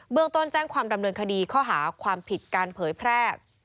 เมืองต้นแจ้งความดำเนินคดีข้อหาความผิดการเผยแพร่